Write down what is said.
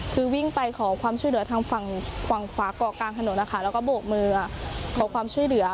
คือวิ่งไปขอความช่วยเหลือทางฝั่งฝั่งขวาเกาะกลางถนนนะคะแล้วก็โบกมือขอความช่วยเหลือ